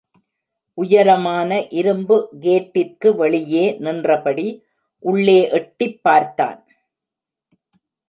உயரமான இரும்பு கேட்டிற்கு வெளியே நின்றபடி உள்ளே எட்டிப் பார்த்தான்.